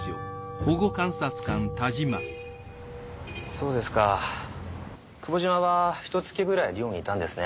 そうですか久保島はひと月くらい寮にいたんですね。